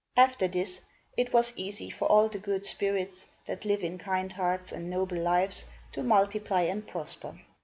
After this, it was easy for all the good spirits, that live in kind hearts and noble lives, to multiply and prosper.